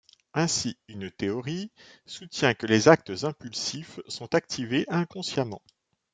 Ainsi une théorie, soutient que les actes impulsifs sont activés inconsciemment.